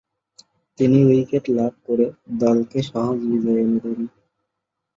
তিন উইকেট লাভ করে দলকে সহজ বিজয় এনে দেন।